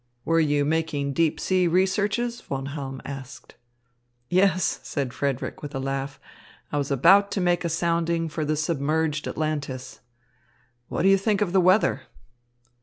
"Were you making deep sea researches?" Von Halm asked. "Yes," said Frederick with a laugh, "I was about to make a sounding for the submerged Atlantis. What do you think of the weather?"